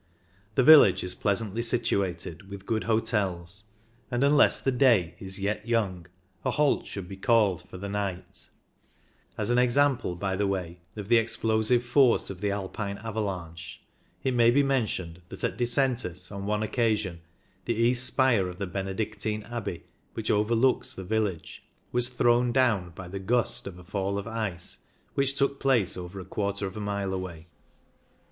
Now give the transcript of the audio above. The village is pleasantly situated, with good hotels, and unless the day is yet io8 CYCLING IN THE ALPS young a halt should be called for the night As an example, by the way, of the explosive force of the Alpine avalanche, it may be mentioned that at Disentis on one occasion the east spire of the Benedictine Abbey, which overlooks the village, was thrown down by the " gust " of a fall of ice which took place over a quarter of a mile away.